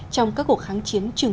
trong các cuộc kháng chiến trường trọng